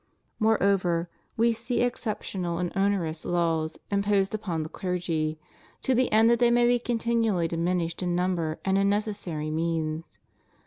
Moreover, We see exceptional and onerous laws imposed upon the clergy, to the end that they may be continually diminished in number and in necessary means.